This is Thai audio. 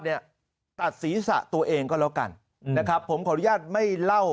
เนี่ยตัดศีรษะตัวเองก็แล้วกันนะครับผมขออนุญาตไม่เล่า